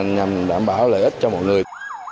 nhằm đảm bảo lợi ích cho mọi người